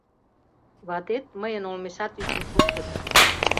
Ватет мыйын олмешат ӱчым шуктыш...